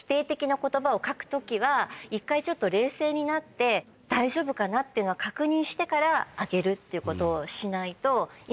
１回ちょっと冷静になって大丈夫かなっていうのを確認してから上げるっていうことをしないと。